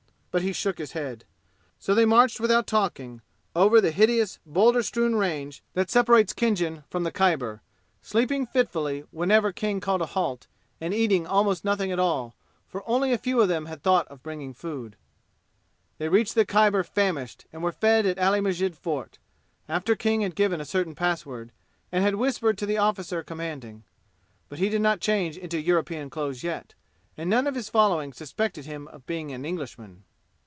But he shook his head. So they marched without talking over the hideous boulder strewn range that separates Khinjan from the Khyber, sleeping fitfully whenever King called a halt, and eating almost nothing at all, for only a few of them had thought of bringing food. They reached the Khyber famished and were fed at Ali Masjid Fort, after King had given a certain password and had whispered to the officer commanding. But he did not change into European clothes yet, and none of his following suspected him of being an Englishman.